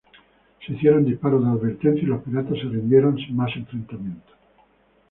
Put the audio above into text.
Se hicieron disparos de advertencia y los piratas se rindieron sin más enfrentamientos.